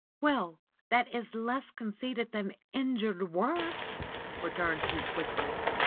^^Well, that is less conceited than injured Worth'!" returned she quickly.